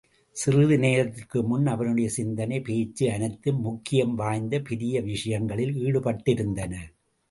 சிறிது நேரத்திற்கு முன் அவனுடைய சிந்தனை, பேச்சு அனைத்தும் முக்கியம் வாய்ந்த பெரிய விஷயங்களில் ஈடுபட்டிருந்தன.